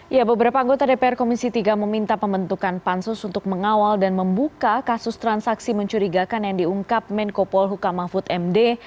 ya beberapa anggota dpr komisi tiga meminta pembentukan pansus untuk mengawal dan membuka kasus transaksi mencurigakan yang diungkap menko polhuka mahfud md